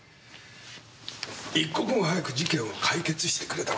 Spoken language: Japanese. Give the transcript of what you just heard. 一刻も早く事件を解決してくれたまえ。